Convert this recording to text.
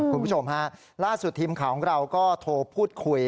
คุณผู้ชมฮะล่าสุดทีมข่าวของเราก็โทรพูดคุย